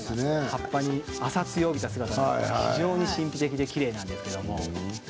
葉っぱに朝露を満たす感じで、非常に神秘的できれいなんですけれども。